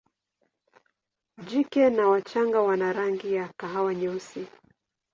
Jike na wachanga wana rangi ya kahawa nyeusi.